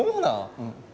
うん。